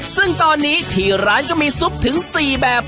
ซึ่งตอนนี้ที่ร้านก็มีซุปถึง๔แบบ